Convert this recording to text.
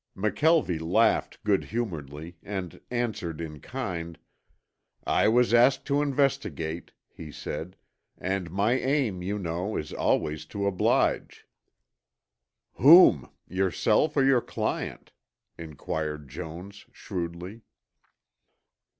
McKelvie laughed good humoredly, and answered in kind. "I was asked to investigate," he said, "and my aim, you know, is always to oblige." "Whom? Yourself or your client?" inquired Jones shrewdly.